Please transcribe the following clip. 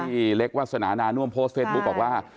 เล็กวาสนานาน่วมโพสต์เฟซบุ๊คบอกว่า